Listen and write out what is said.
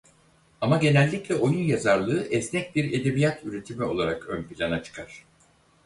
Ama genellikle oyun yazarlığı esnek bir edebiyat üretimi olarak ön plana çıkar.